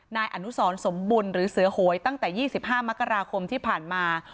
นายอนุสรสมบุญหรือเสือโหยตั้งแต่๒๕มกราคมที่ผ่านมา